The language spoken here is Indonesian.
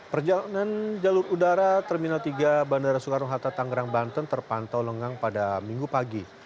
perjalanan jalur udara terminal tiga bandara soekarno hatta tanggerang banten terpantau lengang pada minggu pagi